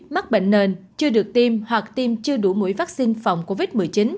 mắc bệnh nền chưa được tiêm hoặc tiêm chưa đủ mũi vaccine phòng covid một mươi chín